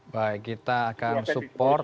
baik kita akan support